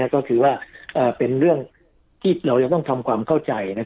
ก็คือว่าเป็นเรื่องที่เราจะต้องทำความเข้าใจ